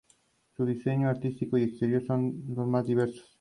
El Distrito Escolar Independiente de La Joya sirve al lugar.